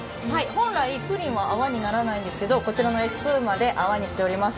本来プリンは泡にならないんですけれどもこちらのエスプーマで泡にしております。